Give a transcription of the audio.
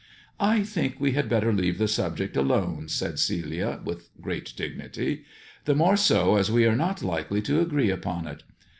" I think we had better leave the subject alone," said Celia, with great dignity, the more so as we are not likely to agree upon it.